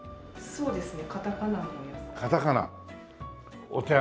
そうですね。